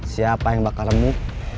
siapa yang bakal remuk